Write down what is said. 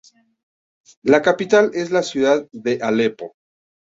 La capital es la ciudad de Alepo.